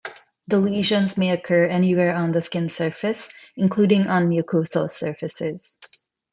The lesions may occur anywhere on the skin surface, including on mucosal surfaces.